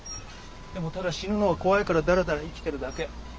でもただ死ぬのが怖いからだらだら生きてるだけ。